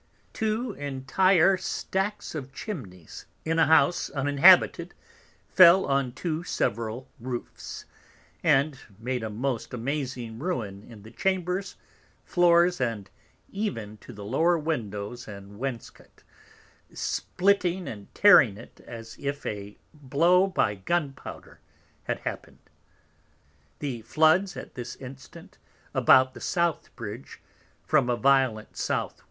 Two entire Stacks of Chimneys in a House uninhabited fell on two several Roofs, and made a most amazing Ruin in the Chambers, Floors, and even to the lower Windows and Wainscot, splitting and tearing it as if a Blow by Gun powder had happen'd. The Floods at this instant about the South Bridge, from a violent S.W.